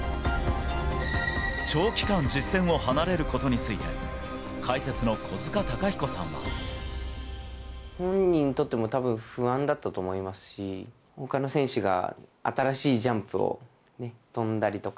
長期間、実戦を離れることについて、本人にとっても、たぶん不安だったと思いますし、ほかの選手が新しいジャンプを跳んだりとか。